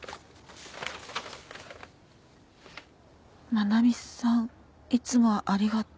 「真波さんいつもありがとう」